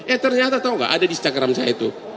eh ternyata tau gak ada di instagram saya itu